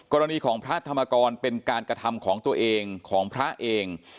รณของพระธรรมกรเป็นการกระทำของตัวเองของพระเอง